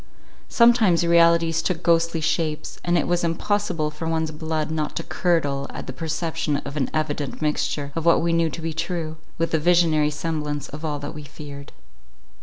Sometimes realities took ghostly shapes; and it was impossible for one's blood not to curdle at the perception of an evident mixture of what we knew to be true, with the visionary semblance of all that we feared.